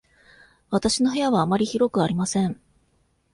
わたしの部屋はあまり広くありません。